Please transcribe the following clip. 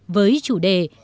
với chủ đề